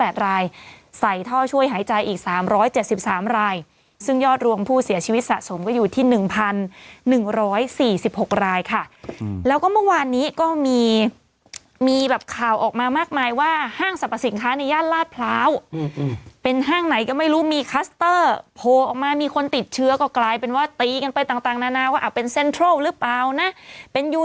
ใส่ท่อช่วยหายใจอีก๓๗๓รายซึ่งยอดรวมผู้เสียชีวิตสะสมก็อยู่ที่๑๑๔๖รายค่ะแล้วก็เมื่อวานนี้ก็มีมีแบบข่าวออกมามากมายว่าห้างสรรพสินค้าในย่านลาดพร้าวเป็นห้างไหนก็ไม่รู้มีคัสเตอร์โพลออกมามีคนติดเชื้อก็กลายเป็นว่าตีกันไปต่างนานาว่าเป็นเซ็นทรัลหรือเปล่านะเป็นยู